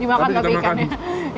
dimakan tapi ikannya